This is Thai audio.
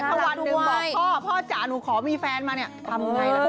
ถ้าวันหนึ่งบอกพ่อพ่อจ๋าหนูขอมีแฟนมาเนี่ยทำไงล่ะพ่อ